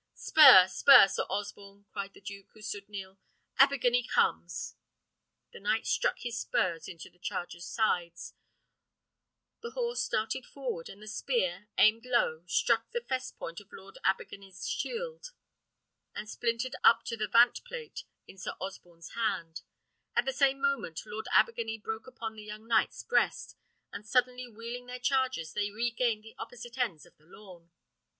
"Spur, spur, Sir Osborne!" cried the duke, who stood near; "Abergany comes." The knight struck his spurs into the charger's sides; the horse darted forward, and the spear, aimed low, struck the fess point of Lord Abergany's shield, and splintered up to the vantplate in Sir Osborne's hand; at the same moment Lord Abergany's broke upon the young knight's breast; and suddenly wheeling their chargers, they regained the opposite ends of the lawn.